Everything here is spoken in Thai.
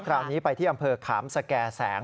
คราวนี้ไปที่อำเภอขามสแก่แสง